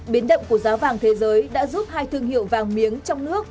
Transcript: biến động của giá vàng thế giới đã giúp hai thương hiệu vàng miếng trong nước